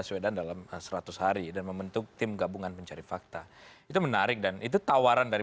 tapi dia tidak mengerjakan kritik ke dalam diri sendiri